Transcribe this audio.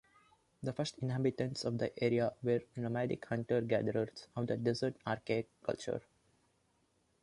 The first inhabitants of the area were nomadic hunter-gatherers of the Desert Archaic Culture.